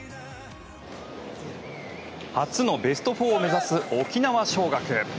初のベスト４を目指す沖縄尚学。